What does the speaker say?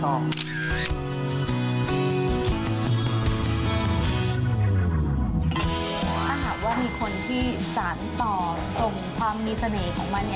ถ้าหากว่ามีคนที่สารต่อส่งความมีเสน่ห์ของมัน